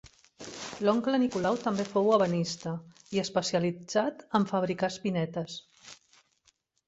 L'oncle Nicolau també fou ebenista, i especialitzat en fabricà espinetes.